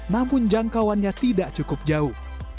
namun jangkauannya tidak cukup jauh